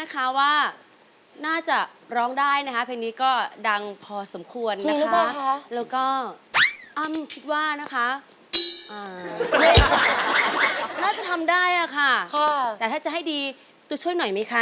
เขาจะทำได้อะค่ะแต่ถ้าจะให้ดีก็ช่วยหน่อยมั้ยคะ